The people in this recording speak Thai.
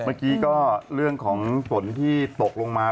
เมื่อกี้ก็เรื่องของฝนที่ตกลงมา